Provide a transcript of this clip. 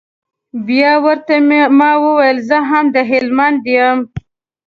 بيا ورته ما وويل زه هم د هلمند يم.